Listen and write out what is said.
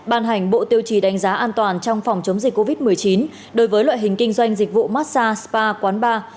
ban hành bộ tiêu chí đánh giá an toàn trong phòng chống dịch covid một mươi chín đối với loại hình kinh doanh dịch vụ massage spa quán bar